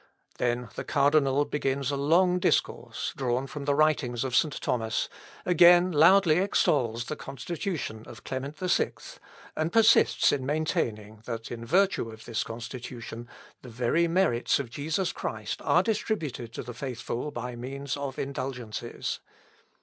Then the cardinal begins a long discourse, drawn from the writings of St. Thomas, again loudly extols the Constitution of Clement VI, and persists in maintaining, that, in virtue of this Constitution, the very merits of Jesus Christ are distributed to the faithful by means of indulgences.